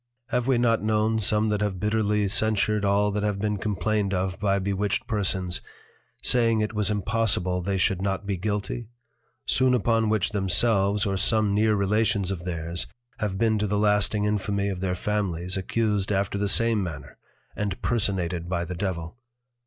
Have we not known some that have bitterly censured all that have been complained of by bewitched Persons, saying it was impossible they should not be guilty; soon upon which themselves or some near Relations of theirs, have been to the lasting Infamy of their Families, accused after the same manner, and Personated by the Devil!